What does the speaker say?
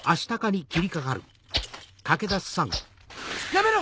やめろ！